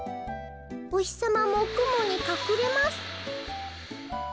おひさまもくもにかくれます」。